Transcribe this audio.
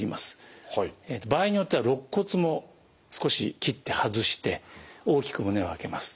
場合によってはろっ骨も少し切って外して大きく胸を開けます。